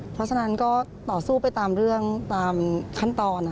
เพราะฉะนั้นก็ต่อสู้ไปตามเรื่องตามขั้นตอน